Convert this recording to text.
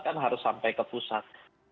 kan harus sampai ke pusat